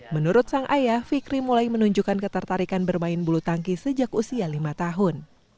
menurut sang ayah fikri mulai menunjukkan ketertarikan bermain bulu tangki sejak usia lima tahun